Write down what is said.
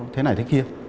thế này thế kia